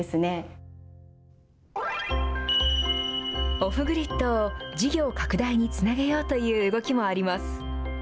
オフグリッドを事業拡大につなげようという動きもあります。